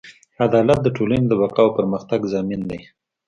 عدالت د ټولنې د بقا او پرمختګ ضامن دی.